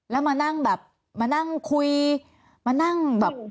แล้วมานั่งแบบมานั่งคุยมานั่งแบบ